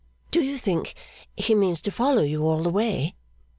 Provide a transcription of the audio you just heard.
'Do you think he means to follow you all the way?